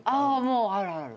あるある。